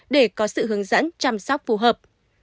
để có sự hướng dẫn chăm sóc phù hợp